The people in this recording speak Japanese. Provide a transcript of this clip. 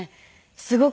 すごく。